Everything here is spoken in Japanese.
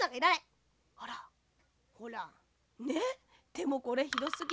でもこれひどすぎる。